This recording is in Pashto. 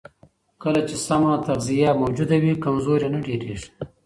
کله چې سم تغذیه موجوده وي، کمزوري نه ډېرېږي.